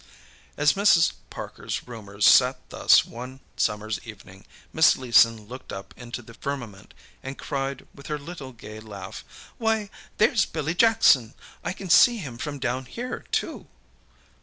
As Mrs. Parker's roomers sat thus one summer's evening, Miss Leeson looked up into the firmament and cried with her little gay laugh: "Why, there's Billy Jackson! I can see him from down here, too."